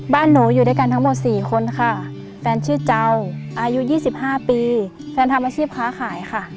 บ้านหนูอยู่ด้วยกันทั้งหมด๔คนค่ะแฟนชื่อเจ้าอายุ๒๕ปีแฟนทำอาชีพค้าขายค่ะ